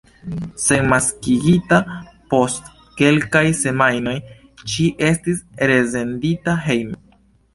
Senmaskigita post kelkaj semajnoj, ŝi estis resendita hejmen.